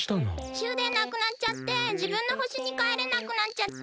終電なくなっちゃってじぶんのほしにかえれなくなっちゃって。